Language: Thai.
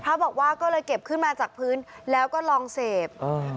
พระบอกว่าก็เลยเก็บขึ้นมาจากพื้นแล้วก็ลองเสพเออ